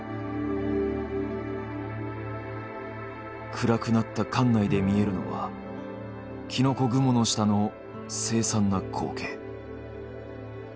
暗くなった館内で見えるのはキノコ雲の下の凄惨な光景。